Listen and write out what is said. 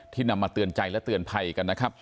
นำมาเตือนใจและเตือนภัยกันนะครับ